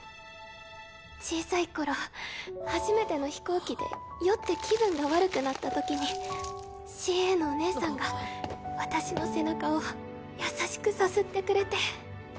小さい頃初めての飛行機で酔って気分が悪くなったときにＣＡのおねえさんが私の背中を優しくさすってくれて。